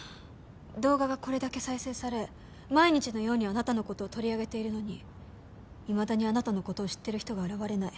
動画がこれだけ再生され毎日のようにあなたの事を取り上げているのにいまだにあなたの事を知ってる人が現れない。